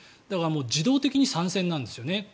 だから自動的に参戦なんですよね。